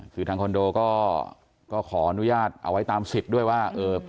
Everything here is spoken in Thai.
คือทางคอนโดก็ขออนุญาตเอาไว้ตามสิทธิ์ด้วยว่า